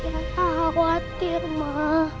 tidak ada khawatir ma